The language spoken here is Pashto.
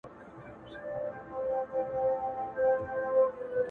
او احساسات يې خوځېږي ډېر,